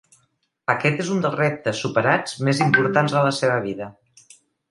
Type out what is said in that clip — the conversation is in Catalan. Aquest és un dels reptes superats més importants de la seva vida.